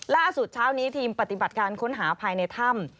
เช้านี้ทีมปฏิบัติการค้นหาภายในถ้ำ